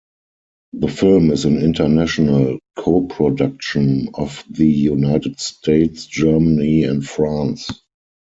The film is an international co-production of the United States, Germany and France.